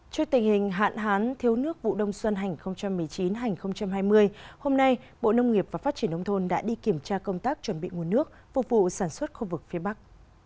trước tình hình hạn hán thiếu nước vụ đông xuân hành một mươi chín hai nghìn hai mươi hôm nay bộ nông nghiệp và phát triển nông thôn đã đi kiểm tra công tác chuẩn bị nguồn nước phục vụ sản xuất khu vực phía bắc